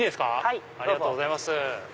ありがとうございます。